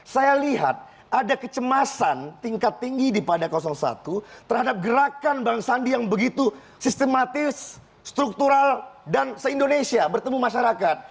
saya lihat ada kecemasan tingkat tinggi di pada satu terhadap gerakan bang sandi yang begitu sistematis struktural dan se indonesia bertemu masyarakat